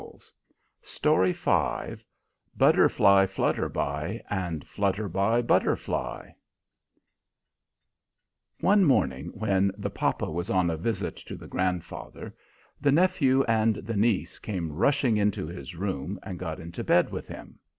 Butterflyflutterby and Flutterbybutterfly One morning when the papa was on a visit to the grandfather, the nephew and the niece came rushing into his room and got into bed with him.